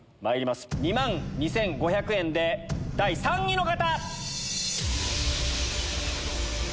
２万２５００円で第３位の方！